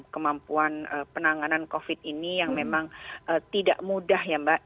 kemampuan penanganan covid ini yang memang tidak mudah ya mbak